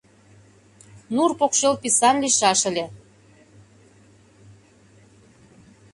Нур покшел писан лийшаш ыле.